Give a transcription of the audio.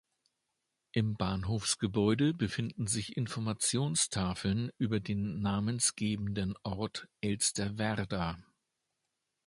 Im Bahnhofsgebäude befinden sich Informationstafeln über den namensgebenden Ort Elsterwerda.